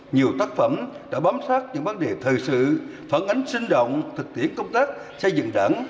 nhiều tác phẩm đã bám sát những vấn đề thời sự phản ánh sinh động thực tiễn công tác xây dựng đảng